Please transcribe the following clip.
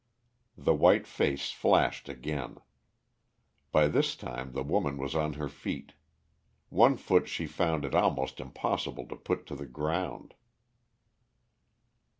The white face flashed again. By this time the woman was on her feet. One foot she found it almost impossible to put to the ground.